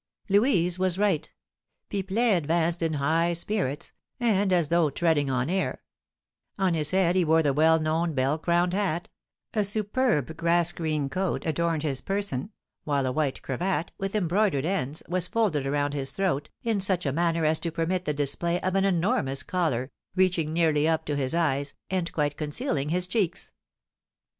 Louise was right. Pipelet advanced in high spirits, and as though treading on air; on his head he wore the well known bell crowned hat, a superb grass green coat adorned his person, while a white cravat, with embroidered ends, was folded around his throat, in such a manner as to permit the display of an enormous collar, reaching nearly up to his eyes, and quite concealing his cheeks.